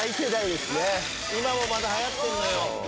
今もまたはやってんのよ。